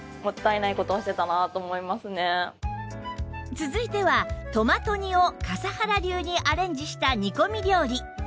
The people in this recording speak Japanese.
続いてはトマト煮を笠原流にアレンジした煮込み料理